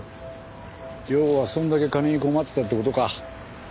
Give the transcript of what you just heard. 要はそんだけ金に困ってたって事か。